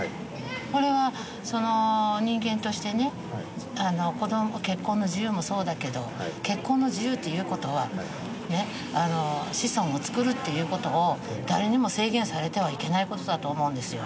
これは人間としてね結婚の自由もそうだけど結婚の自由っていうことは子孫をつくるっていうことを誰にも制限されてはいけないことだと思うんですよ